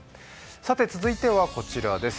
続いてはこちらです。